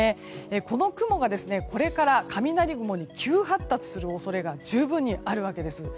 この雲がこれから雷雲に急発達する恐れが十分にあるわけです。